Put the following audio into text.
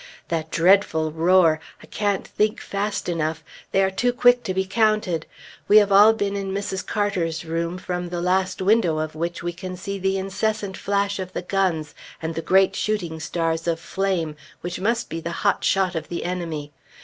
That dreadful roar! I can't think fast enough. They are too quick to be counted. We have all been in Mrs. Carter's room, from the last window of which we can see the incessant flash of the guns and the great shooting stars of flame, which must be the hot shot of the enemy.